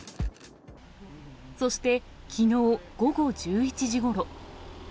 そして、きのう午後１１時ごろ。